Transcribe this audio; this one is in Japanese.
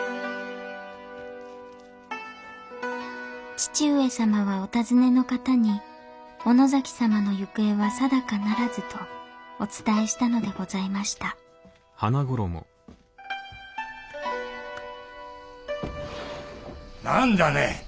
義父上様はお尋ねの方に「小野崎様の行方は定かならず」とお伝えしたのでございましたなんだね